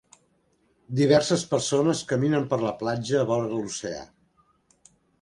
Diverses persones caminen per la platja vora l'oceà.